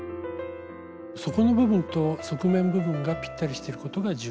底の部分と側面部分がぴったりしていることが重要です。